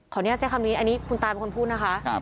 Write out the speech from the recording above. ใช้คำนี้อันนี้คุณตาเป็นคนพูดนะคะ